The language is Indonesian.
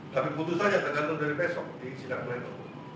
tapi putusannya tergantung dari besok di sidang pleno